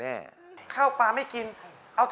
แม้สิ้นลมหายใจก็รักเธอ